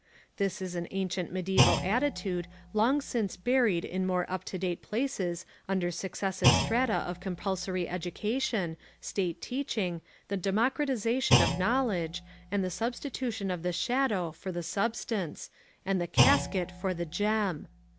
This is an ancient mediaeval attitude long since buried in more up to date places under successive strata of compulsory education, state teaching, the democratisation of knowledge and the substitution of the shadow for the substance, and the casket for the gem.